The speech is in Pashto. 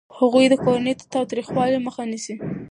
هغوی د کورني تاوتریخوالي مخه نیسي.